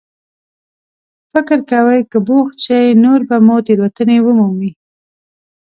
فکر کوئ که بوخت شئ، نور به مو تېروتنې ومومي.